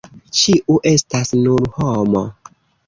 Ĉiu estas nur homo.